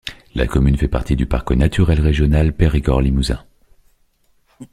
La commune fait partie du parc naturel régional Périgord-Limousin.